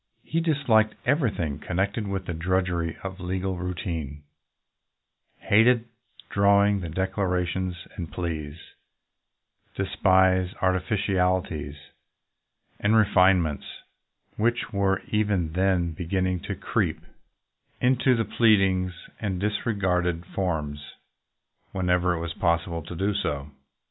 He dis liked everything connected with the drudgery of legal routine, hated drawing the declarations and pleas, despised the artificialities and refine ments which were even then beginning to creep 96 THE MANAGING CLERK into the pleadings, and disregarded forms when ever it was possible to do so.